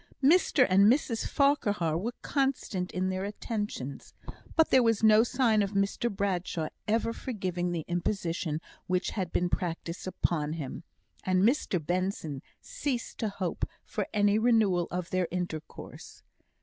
Mr and Mrs Farquhar were constant in their attentions; but there was no sign of Mr Bradshaw ever forgiving the imposition which had been practised upon him, and Mr Benson ceased to hope for any renewal of their intercourse.